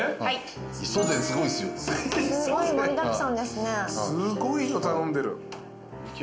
すごいの頼んでる。